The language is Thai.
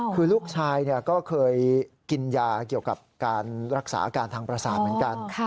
คือลูกชายก็เคยกินยาเกี่ยวกับการรักษาอาการทางประสาทเหมือนกัน